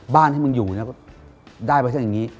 บ้านที่มึงอยู่นะก็ได้ไปทั้งอย่างนี้